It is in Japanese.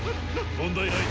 問題ない。